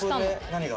何が？